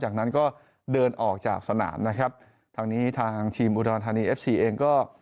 จากนั้นก็เดินออกจากสนามนะครับทางนี้ทางทีมอุดรธานีเอฟซีเองก็